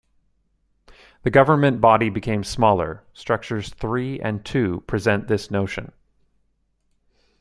The governing body became smaller; structures three and two present this notion.